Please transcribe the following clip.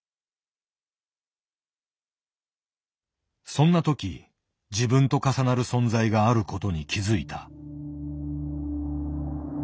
そんな時自分と重なる存在があることに気付いた。